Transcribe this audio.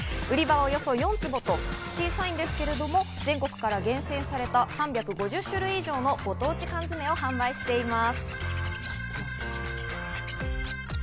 およそ４坪と小さいんですけれども、全国から厳選された３５０種類以上のご当地缶詰を販売しています。